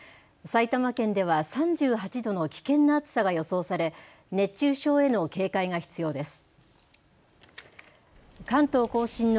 埼玉県では３８度の危険な暑さが予想され熱中症への警戒が必要です。